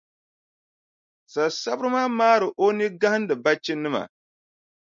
Sasabira maa maari o nii gahindi bachinima.